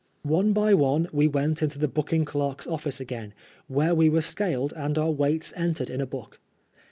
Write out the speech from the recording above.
One by one we went into the booking clerk's office ac^n, where we were scaled and our weights entered in a book.